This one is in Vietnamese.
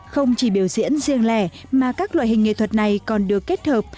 không chỉ biểu diễn riêng lẻ mà các loại hình nghệ thuật này còn được kết hợp